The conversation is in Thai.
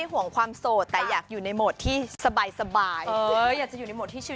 อ๋อซุ่มไม่ค่อยไหวนะกลุ่มนี้